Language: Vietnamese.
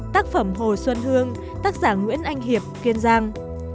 một mươi một tác phẩm hồ xuân hương tác giả nguyễn anh hiệp kiên giang